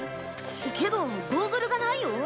けどゴーグルがないよ。